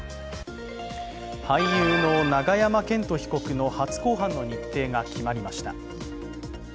俳優の永山絢斗被告の初公判の日程が決まりました。